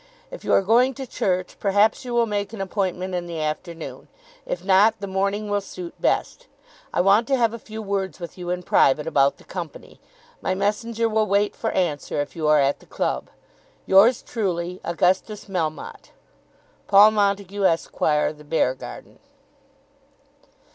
If you are going to church, perhaps you will make an appointment in the afternoon; if not, the morning will suit best. I want to have a few words with you in private about the Company. My messenger will wait for answer if you are at the club. Yours truly, AUGUSTUS MELMOTTE. PAUL MONTAGUE, Esq., The Beargarden.